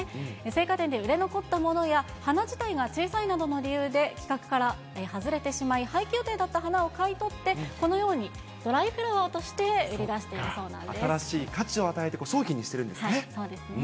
生花店で売れ残ったものや、花自体が小さいなどの理由で、企画から外れてしまい、廃棄予定だった花を買い取って、このようにドライフラワーとして新しい価値を与えて、商品にそうですね。